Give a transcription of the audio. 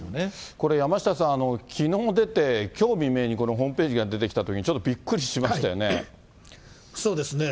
これ、山下さん、きのう出て、きょう未明にこのホームページが出てきたときに、ちょっとびっくそうですね。